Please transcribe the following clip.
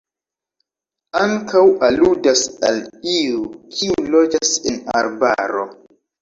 Ankaŭ aludas al iu, kiu loĝas en arbaro.